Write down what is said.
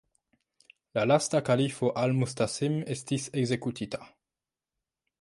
La lasta kalifo Al-Mustasim estis ekzekutita.